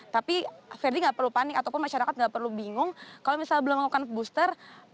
tapi ferdi nggak perlu panik ataupun masyarakat nggak perlu bingung kalau misalnya belum melakukan booster